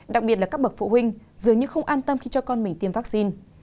đặc biệt là các bậc phụ huynh dường như không an tâm khi cho con mình tiêm vaccine